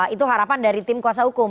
itu harapan dari tim kuasa hukum